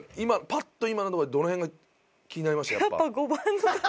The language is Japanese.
パッと今のはどの辺が気になりました？